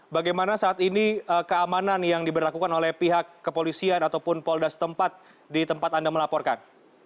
bagaimana saat ini keamanan yang diberlakukan oleh pihak kepolisian ataupun polda setempat di tempat anda melaporkan